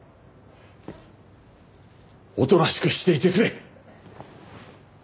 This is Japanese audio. おとなしくしていてくれ！